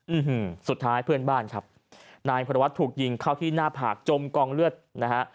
อืมสุดท้ายเพื่อนบ้านครับนายพระวัตรถูกยิงเข้าที่หน้าผากจมกองเลือดนะฮะ